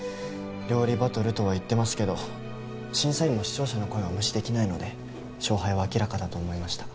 料理バトルとは言ってますけど審査員も視聴者の声は無視できないので勝敗は明らかだと思いました。